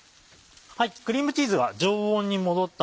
クリームチーズは常温にもどったもの